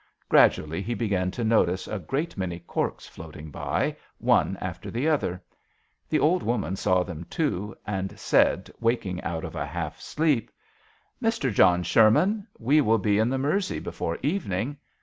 Gradually he began to notice a great many corks floating by, one after the other. The old woman saw them too, and said, waking out of a half sleep " Misther John Sherman, we will be in the Mersey before evening.